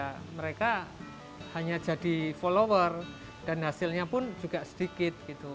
ya mereka hanya jadi follower dan hasilnya pun juga sedikit gitu